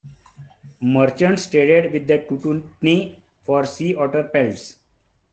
Merchants traded with the Tututni for sea otter pelts.